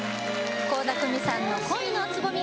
倖田來未さんの「恋のつぼみ」